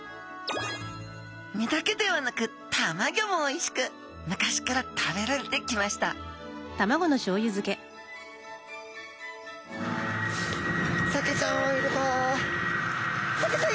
身だけではなくたまギョもおいしく昔から食べられてきましたサケちゃんはいるか？